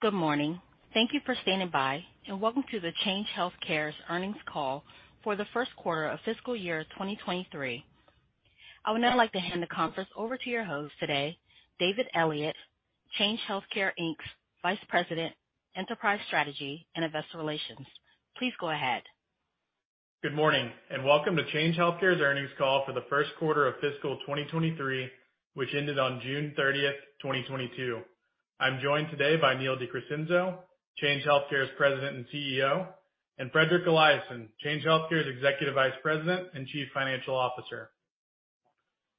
Good morning. Thank you for standing by, and welcome to the Change Healthcare's Earnings Call for the First Quarter of Fiscal Year 2023. I would now like to hand the conference over to your host today, David Elliott, Change Healthcare Inc.'s Vice President, Enterprise Strategy and Investor Relations. Please go ahead. Good morning, and welcome to Change Healthcare's earnings call for the first quarter of fiscal 2023, which ended on June 30th, 2022. I'm joined today by Neil de Crescenzo, Change Healthcare's President and CEO, and Fredrik Eliasson, Change Healthcare's Executive Vice President and Chief Financial Officer.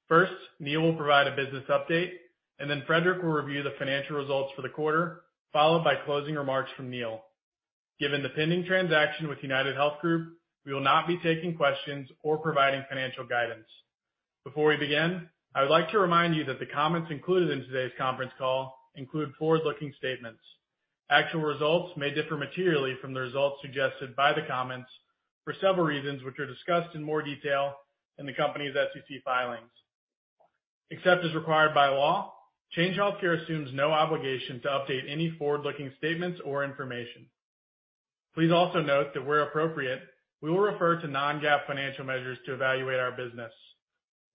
First, Neil will provide a business update, and then Fredrik will review the financial results for the quarter, followed by closing remarks from Neil. Given the pending transaction with UnitedHealth Group, we will not be taking questions or providing financial guidance. Before we begin, I would like to remind you that the comments included in today's conference call include forward-looking statements. Actual results may differ materially from the results suggested by the comments for several reasons, which are discussed in more detail in the company's SEC filings. Except as required by law, Change Healthcare assumes no obligation to update any forward-looking statements or information. Please also note that where appropriate, we will refer to non-GAAP financial measures to evaluate our business.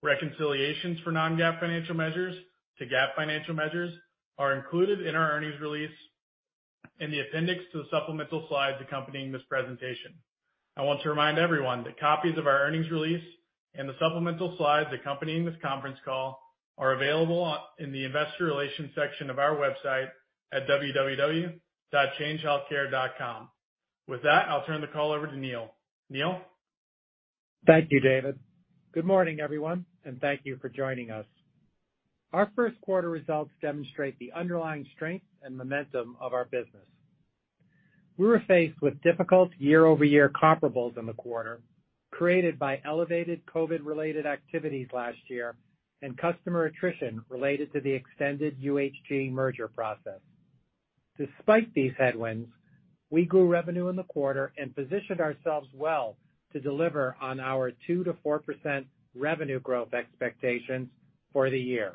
Reconciliations for non-GAAP financial measures to GAAP financial measures are included in our earnings release in the appendix to the supplemental slides accompanying this presentation. I want to remind everyone that copies of our earnings release and the supplemental slides accompanying this conference call are available in the investor relations section of our website at www.changehealthcare.com. With that, I'll turn the call over to Neil. Neil? Thank you, David. Good morning, everyone, and thank you for joining us. Our first quarter results demonstrate the underlying strength and momentum of our business. We were faced with difficult year-over-year comparables in the quarter, created by elevated COVID-related activities last year and customer attrition related to the extended UHG merger process. Despite these headwinds, we grew revenue in the quarter and positioned ourselves well to deliver on our 2%-4% revenue growth expectations for the year.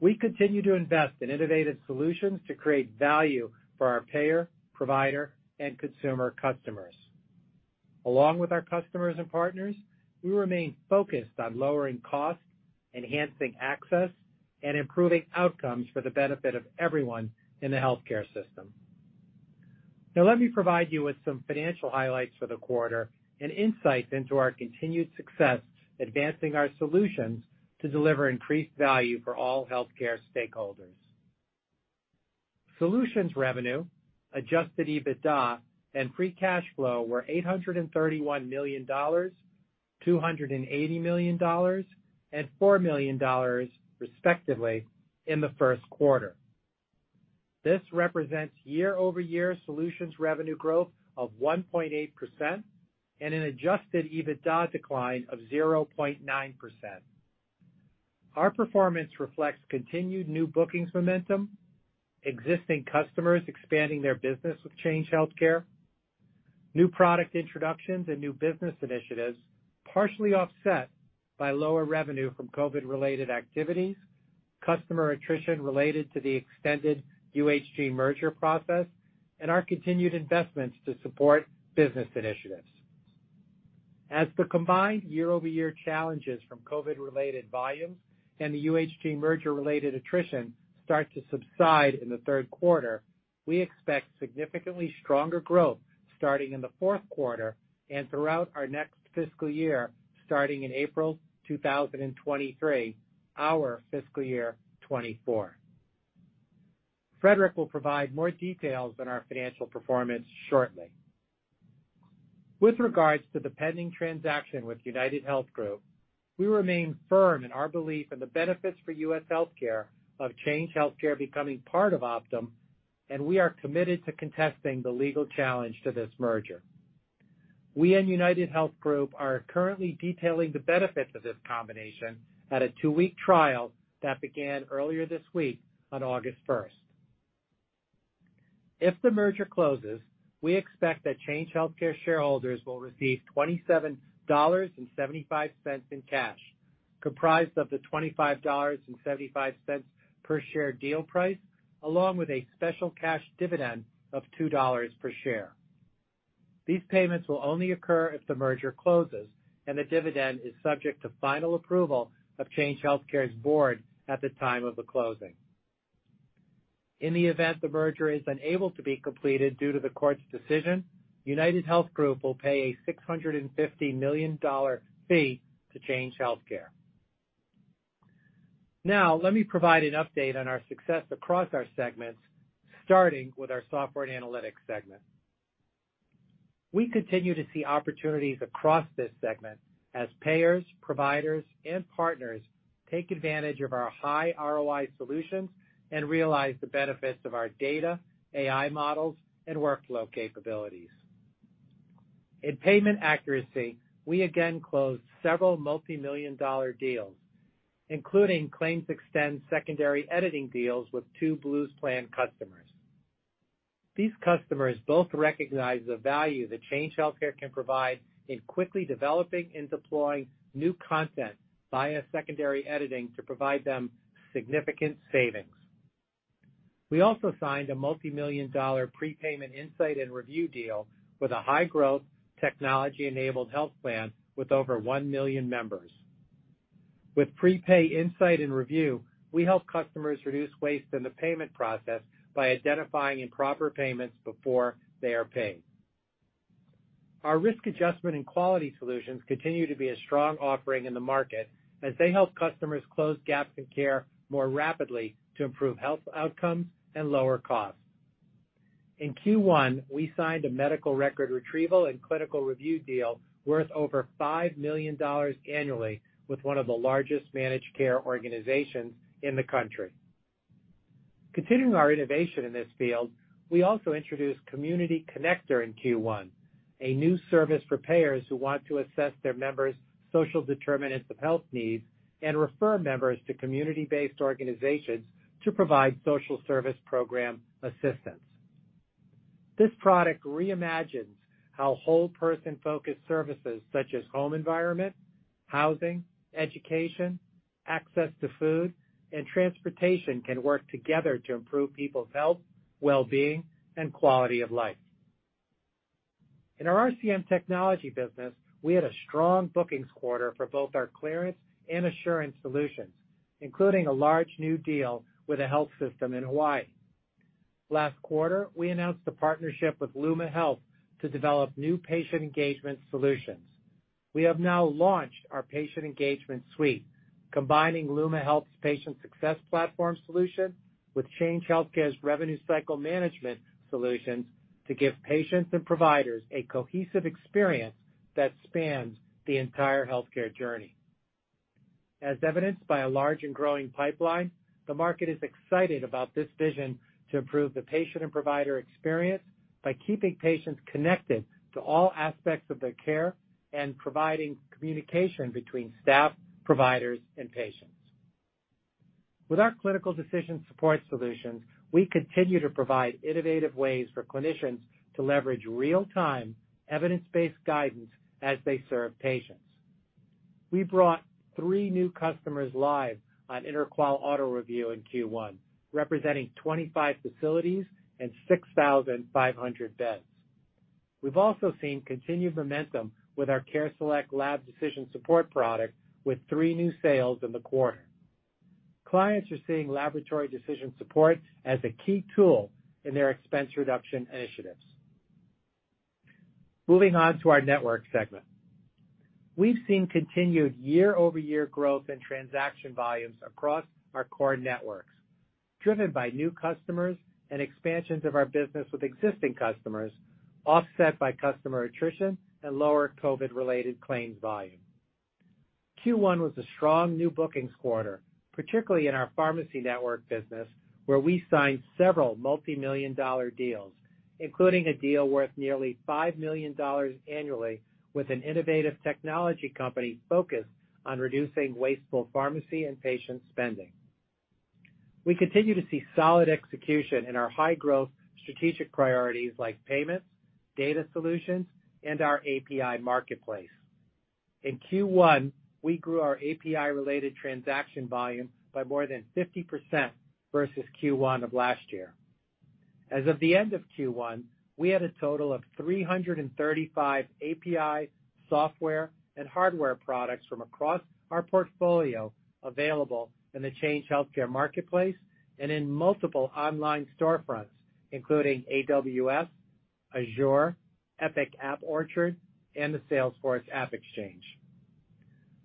We continue to invest in innovative solutions to create value for our payer, provider, and consumer customers. Along with our customers and partners, we remain focused on lowering costs, enhancing access, and improving outcomes for the benefit of everyone in the healthcare system. Now, let me provide you with some financial highlights for the quarter and insights into our continued success advancing our solutions to deliver increased value for all healthcare stakeholders. Solutions revenue, adjusted EBITDA, and free cash flow were $831 million, $280 million, and $4 million, respectively, in the first quarter. This represents year-over-year solutions revenue growth of 1.8% and an adjusted EBITDA decline of 0.9%. Our performance reflects continued new bookings momentum, existing customers expanding their business with Change Healthcare, new product introductions and new business initiatives, partially offset by lower revenue from COVID-related activities, customer attrition related to the extended UHG merger process, and our continued investments to support business initiatives. As the combined year-over-year challenges from COVID-related volumes and the UHG merger-related attrition start to subside in the third quarter, we expect significantly stronger growth starting in the fourth quarter and throughout our next fiscal year, starting in April 2023, our fiscal year 2024. Fredrik will provide more details on our financial performance shortly. With regards to the pending transaction with UnitedHealth Group, we remain firm in our belief in the benefits for U.S. healthcare of Change Healthcare becoming part of Optum, and we are committed to contesting the legal challenge to this merger. We and UnitedHealth Group are currently detailing the benefits of this combination at a two-week trial that began earlier this week on August 1st. If the merger closes, we expect that Change Healthcare shareholders will receive $27.75 in cash, comprised of the $25.75 per share deal price, along with a special cash dividend of $2 per share. These payments will only occur if the merger closes, and the dividend is subject to final approval of Change Healthcare's board at the time of the closing. In the event the merger is unable to be completed due to the court's decision, UnitedHealth Group will pay a $650 million fee to Change Healthcare. Now, let me provide an update on our success across our segments, starting with our Software and Analytics segment. We continue to see opportunities across this segment as payers, providers, and partners take advantage of our high ROI solutions and realize the benefits of our data, AI models, and workflow capabilities. In payment accuracy, we again closed several multi-million-dollar deals, including ClaimsXten secondary editing deals with two Blues plan customers. These customers both recognize the value that Change Healthcare can provide in quickly developing and deploying new content via secondary editing to provide them significant savings. We also signed a multi-million-dollar Prepayment Insight and Review deal with a high growth technology-enabled health plan with over one million members. With Prepayment Insight and Review, we help customers reduce waste in the payment process by identifying improper payments before they are paid. Our risk adjustment and quality solutions continue to be a strong offering in the market as they help customers close gaps in care more rapidly to improve health outcomes and lower costs. In Q1, we signed a Medical Record Retrieval and Clinical Review deal worth over $5 million annually with one of the largest managed care organizations in the country. Continuing our innovation in this field, we also introduced Community Connector in Q1, a new service for payers who want to assess their members' social determinants of health needs and refer members to community-based organizations to provide social service program assistance. This product reimagines how whole person-focused services such as home environment, housing, education, access to food, and transportation can work together to improve people's health, wellbeing, and quality of life. In our RCM technology business, we had a strong bookings quarter for both our Clearance and Assurance solutions, including a large new deal with a health system in Hawaii. Last quarter, we announced a partnership with Luma Health to develop new patient engagement solutions. We have now launched our Patient Engagement suite, combining Luma Health's patient success platform solution with Change Healthcare's revenue cycle management solutions to give patients and providers a cohesive experience that spans the entire healthcare journey. As evidenced by a large and growing pipeline, the market is excited about this vision to improve the patient and provider experience by keeping patients connected to all aspects of their care and providing communication between staff, providers, and patients. With our clinical decision support solutions, we continue to provide innovative ways for clinicians to leverage real-time, evidence-based guidance as they serve patients. We brought three new customers live on InterQual AutoReview in Q1, representing 25 facilities and 6,500 beds. We've also seen continued momentum with our CareSelect Lab Decision Support product with three new sales in the quarter. Clients are seeing laboratory decision support as a key tool in their expense reduction initiatives. Moving on to our network segment. We've seen continued year-over-year growth in transaction volumes across our core networks, driven by new customers and expansions of our business with existing customers, offset by customer attrition and lower COVID-related claims volume. Q1 was a strong new bookings quarter, particularly in our pharmacy network business, where we signed several multi-million dollar deals, including a deal worth nearly $5 million annually with an innovative technology company focused on reducing wasteful pharmacy and patient spending. We continue to see solid execution in our high-growth strategic priorities like payments, data solutions, and our API marketplace. In Q1, we grew our API-related transaction volume by more than 50% versus Q1 of last year. As of the end of Q1, we had a total of 335 API, software, and hardware products from across our portfolio available in the Change Healthcare marketplace and in multiple online storefronts, including AWS, Azure, Epic App Orchard, and the Salesforce AppExchange.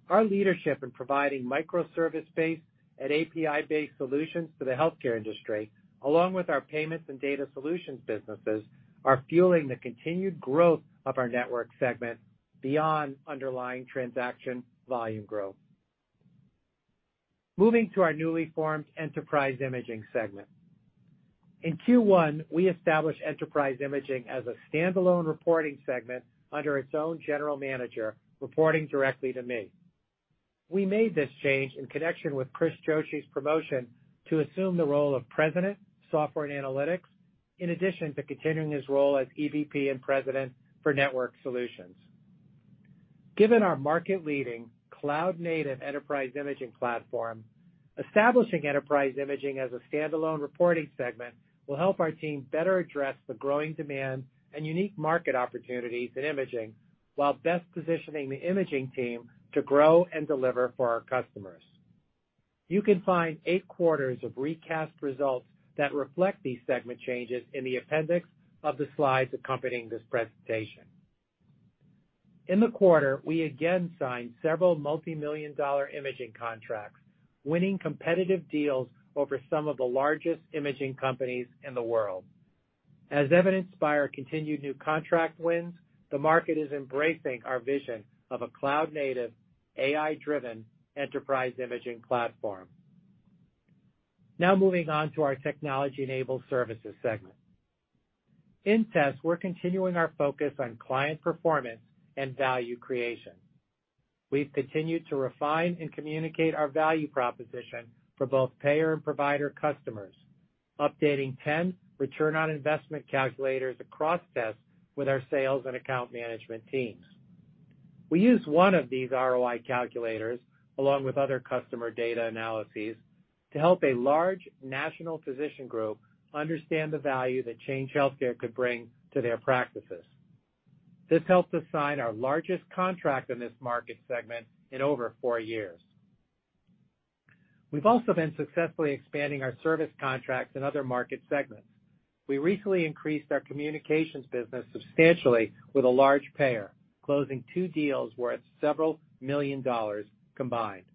Our leadership in providing microservice-based and API-based solutions to the healthcare industry, along with our payments and data solutions businesses, are fueling the continued growth of our Network segment beyond underlying transaction volume growth. Moving to our newly formed Enterprise Imaging segment. In Q1, we established Enterprise Imaging as a standalone reporting segment under its own general manager, reporting directly to me. We made this change in connection with Kris Joshi's promotion to assume the role of President, Software and Analytics, in addition to continuing his role as EVP and President for Network Solutions. Given our market-leading cloud-native Enterprise Imaging platform, establishing Enterprise Imaging as a standalone reporting segment will help our team better address the growing demand and unique market opportunities in imaging while best positioning the imaging team to grow and deliver for our customers. You can find eight quarters of recast results that reflect these segment changes in the appendix of the slides accompanying this presentation. In the quarter, we again signed several multi-million-dollar imaging contracts, winning competitive deals over some of the largest imaging companies in the world. As evidenced by our continued new contract wins, the market is embracing our vision of a cloud-native, AI-driven Enterprise Imaging platform. Now moving on to our Technology-Enabled Services segment. In TES, we're continuing our focus on client performance and value creation. We've continued to refine and communicate our value proposition for both payer and provider customers, updating 10 return on investment calculators across TES with our sales and account management teams. We use one of these ROI calculators along with other customer data analyses to help a large national physician group understand the value that Change Healthcare could bring to their practices. This helped us sign our largest contract in this market segment in over four years. We've also been successfully expanding our service contracts in other market segments. We recently increased our communications business substantially with a large payer, closing two deals worth several million dollars combined.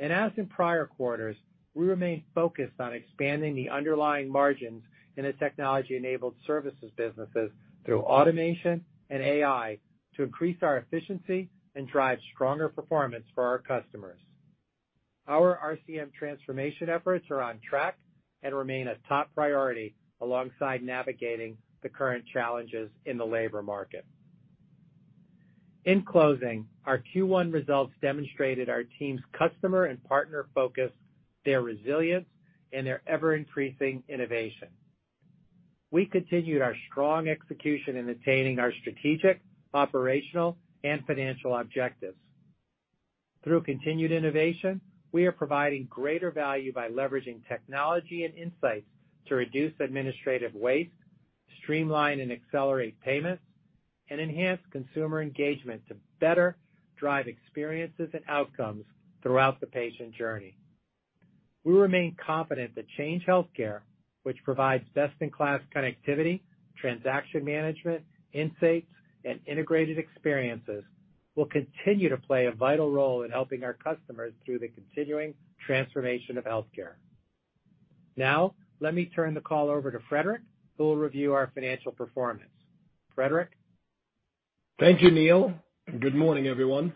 As in prior quarters, we remain focused on expanding the underlying margins in the Technology-Enabled Services businesses through automation and AI to increase our efficiency and drive stronger performance for our customers. Our RCM transformation efforts are on track and remain a top priority alongside navigating the current challenges in the labor market. In closing, our Q1 results demonstrated our team's customer and partner focus, their resilience, and their ever-increasing innovation. We continued our strong execution in attaining our strategic, operational, and financial objectives. Through continued innovation, we are providing greater value by leveraging technology and insights to reduce administrative waste, streamline and accelerate payments, and enhance consumer engagement to better drive experiences and outcomes throughout the patient journey. We remain confident that Change Healthcare, which provides best-in-class connectivity, transaction management, insights, and integrated experiences, will continue to play a vital role in helping our customers through the continuing transformation of healthcare. Now, let me turn the call over to Fredrik, who will review our financial performance. Fredrik? Thank you, Neil, and good morning, everyone.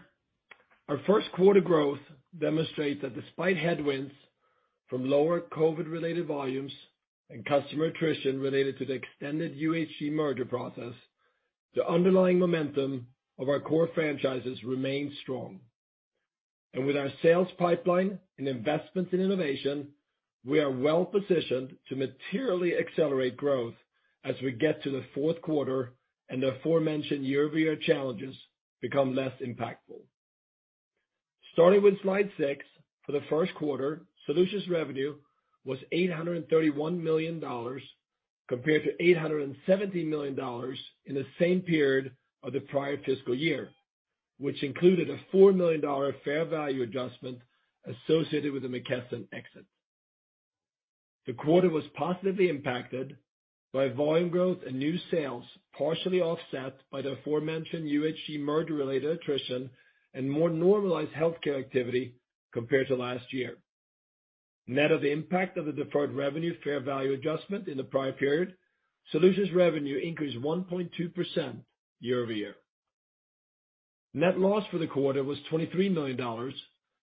Our first quarter growth demonstrates that despite headwinds from lower COVID-related volumes and customer attrition related to the extended UHG merger process, the underlying momentum of our core franchises remain strong. With our sales pipeline and investments in innovation, we are well positioned to materially accelerate growth as we get to the fourth quarter and the aforementioned year-over-year challenges become less impactful. Starting with slide six, for the first quarter, solutions revenue was $831 million compared to $870 million in the same period of the prior fiscal year, which included a $4 million fair value adjustment associated with the McKesson exit. The quarter was positively impacted by volume growth and new sales, partially offset by the aforementioned UHG merger-related attrition and more normalized healthcare activity compared to last year. Net of the impact of the deferred revenue fair value adjustment in the prior period, solutions revenue increased 1.2% year-over-year. Net loss for the quarter was $23 million,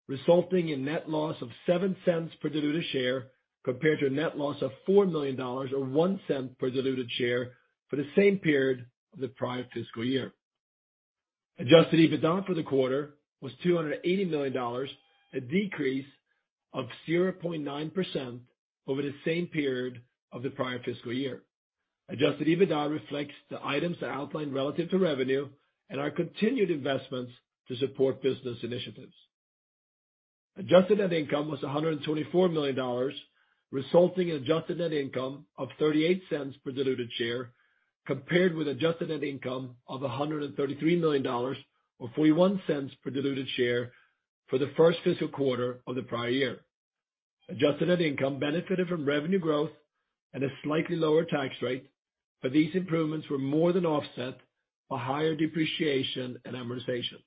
resulting in net loss of $0.07 per diluted share compared to a net loss of $4 million or $0.01 per diluted share for the same period of the prior fiscal year. Adjusted EBITDA for the quarter was $280 million, a decrease of 0.9% over the same period of the prior fiscal year. Adjusted EBITDA reflects the items outlined relative to revenue and our continued investments to support business initiatives. Adjusted net income was $124 million, resulting in adjusted net income of $0.38 per diluted share, compared with adjusted net income of $133 million or $0.41 per diluted share for the first fiscal quarter of the prior year. Adjusted net income benefited from revenue growth and a slightly lower tax rate, but these improvements were more than offset by higher depreciation and amortization.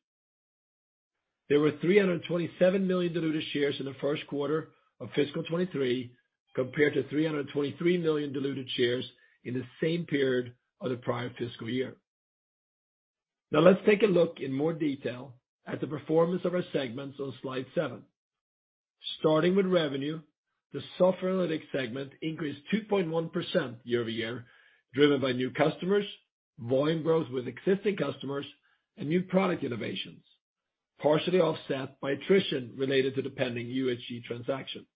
There were 327 million diluted shares in the first quarter of fiscal 2023 compared to 323 million diluted shares in the same period of the prior fiscal year. Now, let's take a look in more detail at the performance of our segments on slide seven. Starting with revenue, the Software and Analytics segment increased 2.1% year-over-year, driven by new customers, volume growth with existing customers, and new product innovations, partially offset by attrition related to the pending UHG transaction.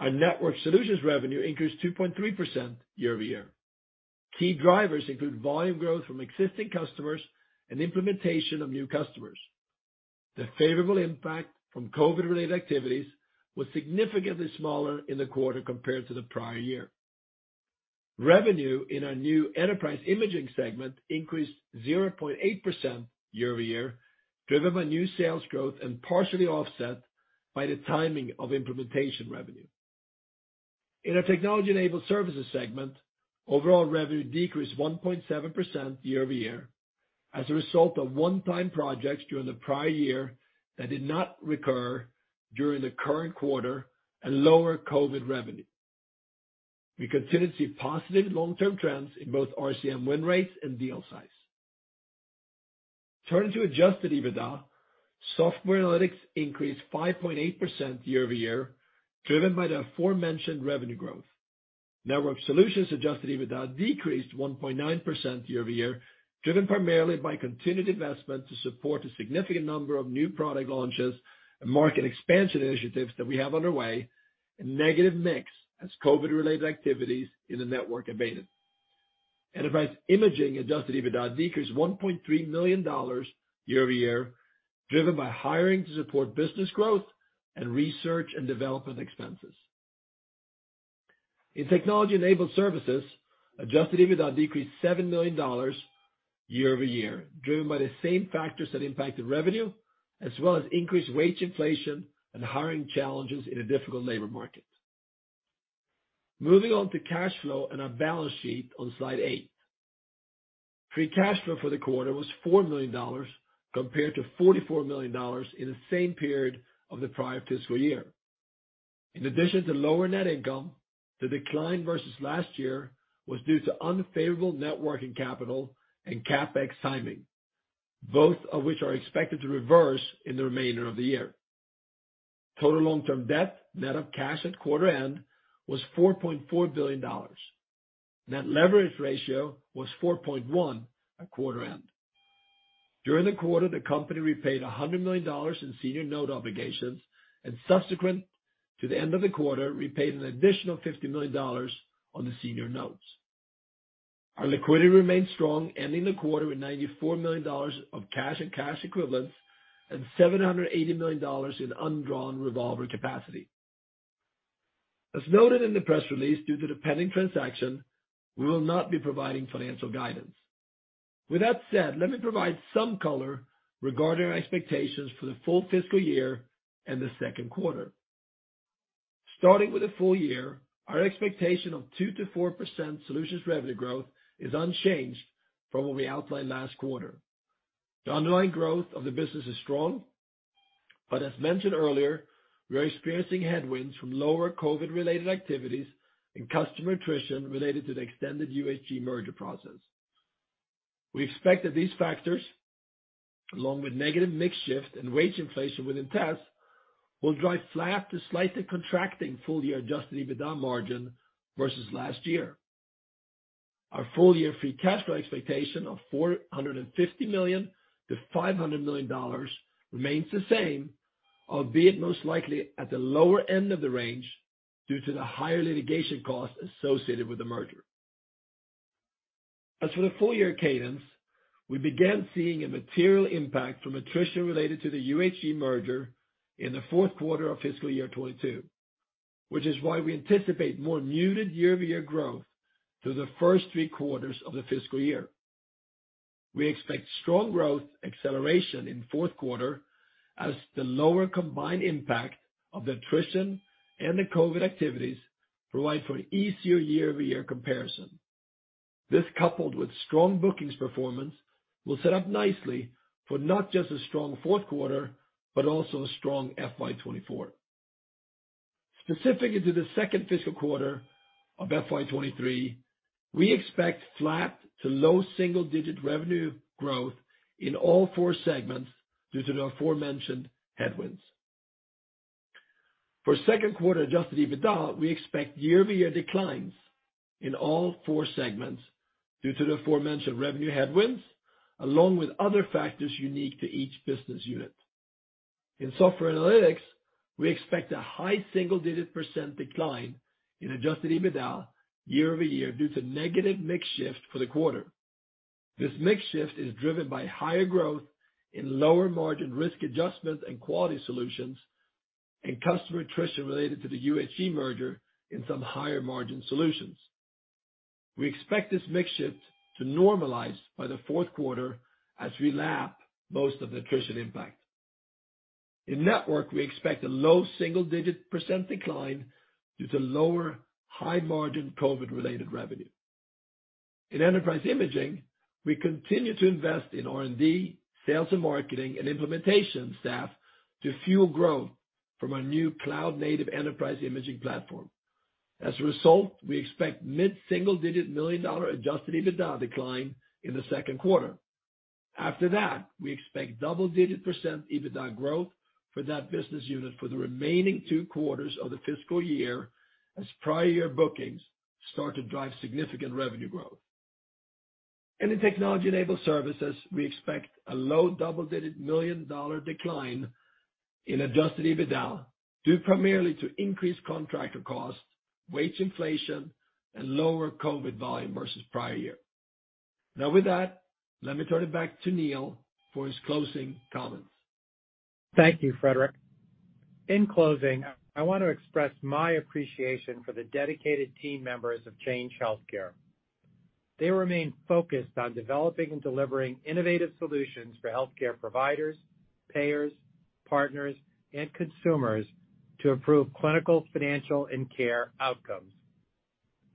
Our Network Solutions revenue increased 2.3% year-over-year. Key drivers include volume growth from existing customers and implementation of new customers. The favorable impact from COVID-related activities was significantly smaller in the quarter compared to the prior year. Revenue in our new Enterprise Imaging segment increased 0.8% year-over-year, driven by new sales growth and partially offset by the timing of implementation revenue. In our Technology-Enabled Services segment, overall revenue decreased 1.7% year-over-year as a result of one-time projects during the prior year that did not recur during the current quarter and lower COVID revenue. We continue to see positive long-term trends in both RCM win rates and deal size. Turning to adjusted EBITDA. Software and Analytics increased 5.8% year-over-year, driven by the aforementioned revenue growth. Network Solutions adjusted EBITDA decreased 1.9% year-over-year, driven primarily by continued investment to support a significant number of new product launches and market expansion initiatives that we have underway, and negative mix as COVID-related activities in the network abated. Enterprise Imaging adjusted EBITDA decreased $1.3 million year-over-year, driven by hiring to support business growth and research and development expenses. In Technology-Enabled Services, adjusted EBITDA decreased $7 million year-over-year, driven by the same factors that impacted revenue, as well as increased wage inflation and hiring challenges in a difficult labor market. Moving on to cash flow and our balance sheet on slide eight. Free cash flow for the quarter was $4 million compared to $44 million in the same period of the prior fiscal year. In addition to lower net income, the decline versus last year was due to unfavorable net working capital and CapEx timing, both of which are expected to reverse in the remainder of the year. Total long-term debt net of cash at quarter end was $4.4 billion. Net leverage ratio was 4.1 at quarter end. During the quarter, the company repaid $100 million in senior note obligations and subsequent to the end of the quarter, repaid an additional $50 million on the senior notes. Our liquidity remains strong, ending the quarter with $94 million of cash and cash equivalents and $780 million in undrawn revolver capacity. As noted in the press release, due to the pending transaction, we will not be providing financial guidance. With that said, let me provide some color regarding our expectations for the full fiscal year and the second quarter. Starting with the full year, our expectation of 2%-4% solutions revenue growth is unchanged from what we outlined last quarter. The underlying growth of the business is strong, but as mentioned earlier, we are experiencing headwinds from lower COVID-related activities and customer attrition related to the extended UHG merger process. We expect that these factors, along with negative mix shift and wage inflation within TES, will drive flat to slightly contracting full-year adjusted EBITDA margin versus last year. Our full-year free cash flow expectation of $450 million-$500 million remains the same, albeit most likely at the lower end of the range due to the higher litigation costs associated with the merger. As for the full-year cadence, we began seeing a material impact from attrition related to the UHG merger in the fourth quarter of fiscal year 2022, which is why we anticipate more muted year-over-year growth through the first three quarters of the fiscal year. We expect strong growth acceleration in fourth quarter as the lower combined impact of the attrition and the COVID activities provide for easier year-over-year comparison. This coupled with strong bookings performance will set up nicely for not just a strong fourth quarter, but also a strong FY 2024. Specifically in the second fiscal quarter of FY 2023, we expect flat to low single-digit revenue growth in all four segments due to the aforementioned headwinds. For second quarter adjusted EBITDA, we expect year-over-year declines in all four segments due to the aforementioned revenue headwinds, along with other factors unique to each business unit. In Software and Analytics, we expect a high single-digit % decline in adjusted EBITDA year-over-year due to negative mix shift for the quarter. This mix shift is driven by higher growth in lower margin risk adjustment and quality solutions and customer attrition related to the UHG merger in some higher margin solutions. We expect this mix shift to normalize by the fourth quarter as we lap most of the attrition impact. In Network, we expect a low single-digit % decline due to lower high-margin COVID-related revenue. In Enterprise Imaging, we continue to invest in R&D, sales and marketing, and implementation staff to fuel growth from our new cloud-native Enterprise Imaging platform. As a result, we expect mid-single-digit million-dollar adjusted EBITDA decline in the second quarter. After that, we expect double-digit% EBITDA growth for that business unit for the remaining two quarters of the fiscal year as prior year bookings start to drive significant revenue growth. In Technology-Enabled Services, we expect a low double-digit million-dollar decline in adjusted EBITDA, due primarily to increased contractor costs, wage inflation, and lower COVID volume versus prior year. Now with that, let me turn it back to Neil for his closing comments. Thank you, Fredrik. In closing, I want to express my appreciation for the dedicated team members of Change Healthcare. They remain focused on developing and delivering innovative solutions for healthcare providers, payers, partners, and consumers to improve clinical, financial, and care outcomes.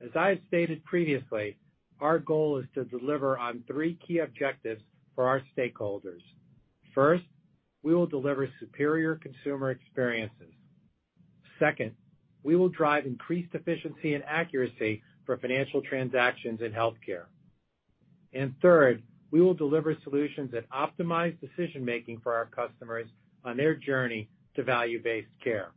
As I have stated previously, our goal is to deliver on three key objectives for our stakeholders. First, we will deliver superior consumer experiences. Second, we will drive increased efficiency and accuracy for financial transactions in healthcare. Third, we will deliver solutions that optimize decision-making for our customers on their journey to value-based care.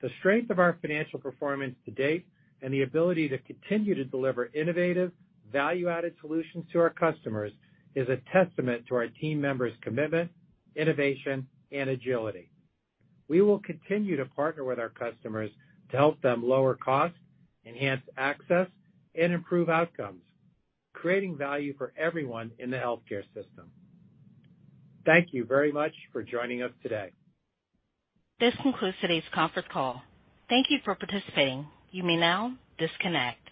The strength of our financial performance to date and the ability to continue to deliver innovative, value-added solutions to our customers is a testament to our team members' commitment, innovation, and agility. We will continue to partner with our customers to help them lower costs, enhance access, and improve outcomes, creating value for everyone in the healthcare system. Thank you very much for joining us today. This concludes today's conference call. Thank you for participating. You may now disconnect.